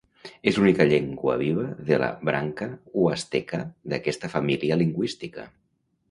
És l'única llengua viva de la branca huasteca d'aquesta família lingüística.